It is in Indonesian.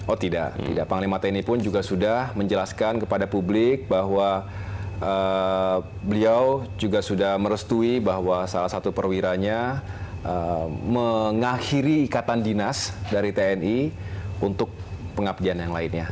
oh tidak tidak panglima tni pun juga sudah menjelaskan kepada publik bahwa beliau juga sudah merestui bahwa salah satu perwiranya mengakhiri ikatan dinas dari tni untuk pengabdian yang lainnya